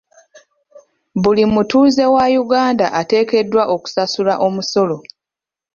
Buli mutuuze wa Uganda ateekeddwa okusasula omusolo.